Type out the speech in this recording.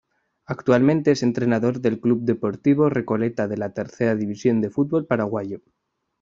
Actualmente es entrenador del club Deportivo Recoleta de la Tercera División del fútbol paraguayo.